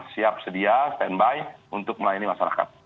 siap sedia standby untuk melayani masyarakat